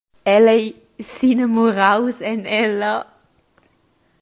El ei s’inamuraus en ella.